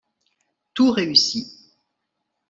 Tout réussit.